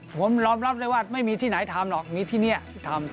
ผมยอมรับเลยว่าไม่มีที่ไหนทำหรอกมีที่นี่ที่ทำ